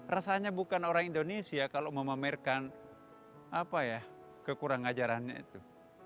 rasanya bukan orang indonesia kalau memamerkan kekurang ajarannya itu